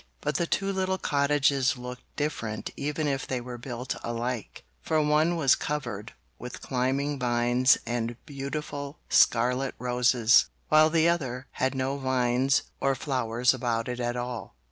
But the two little cottages looked different even if they were built alike, for one was covered with climbing vines and beautiful scarlet roses while the other had no vines or flowers about it at all.